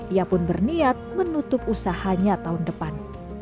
ia pun berniat menutup usahanya tahun depan